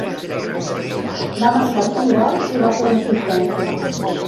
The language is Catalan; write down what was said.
Va marcar cinc gols i va fer una assistència.